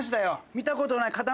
見たことない塊が。